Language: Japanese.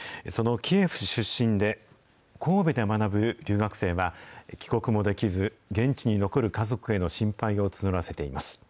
そのキエフ出身で、神戸で学ぶ留学生は、帰国もできず、現地に残る家族への心配を募らせています。